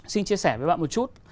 xin chia sẻ với bạn một chút